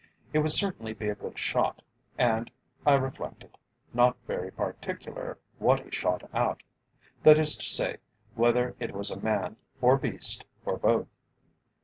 He would certainly be a good shot, and, I reflected, not very particular what he shot at, that is to say, whether it was at man or beast, or both.